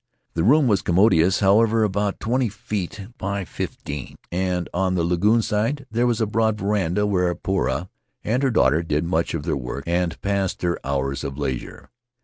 The room was commodious, however, about twenty five feet by fifteen, and on the lagoon side there was a broad veranda where Poura and her daughters did much of their work and passed their hours of leisure.